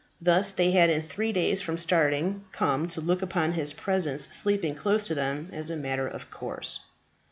Thus they had in the three days from starting come to look upon his presence sleeping close to them as a matter of course.